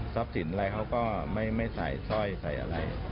สินอะไรเขาก็ไม่ใส่สร้อยใส่อะไร